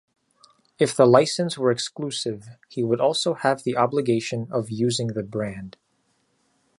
If the license were exclusive, he would also have the obligation of using the brand.